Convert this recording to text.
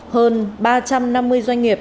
hơn ba trăm năm mươi doanh nghiệp